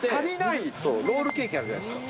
ロールケーキあるじゃないですか。